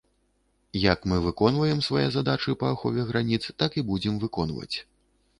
Як мы выконваем свае задачы па ахове граніц, так і будзем выконваць.